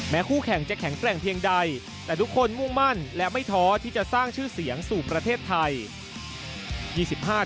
คู่แข่งจะแข็งแกร่งเพียงใดแต่ทุกคนมุ่งมั่นและไม่ท้อที่จะสร้างชื่อเสียงสู่ประเทศไทย